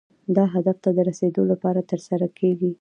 دا هدف ته د رسیدو لپاره ترسره کیږي.